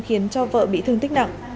khiến cho vợ bị thương tích nặng